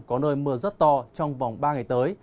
có nơi mưa rất to trong vòng ba ngày tới